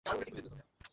Ah, Paul Duval.